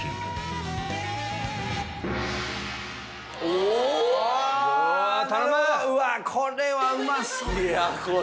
うわっこれはうまそう。